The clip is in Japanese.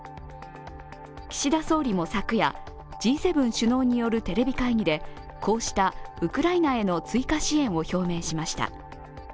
岸田総理も昨夜、Ｇ７首脳によるテレビ会議でこうしたウクライナへの追加支援を表明しました。